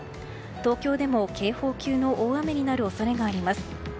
東京でも警報級の大雨になる恐れがあります。